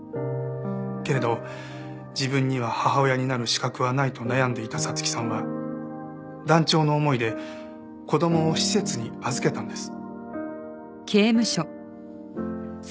けれど自分には母親になる資格はないと悩んでいた彩月さんは断腸の思いで子供を施設に預けたんです。